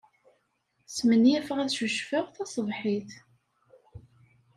Smenyafeɣ ad ccucfeɣ taṣebḥit.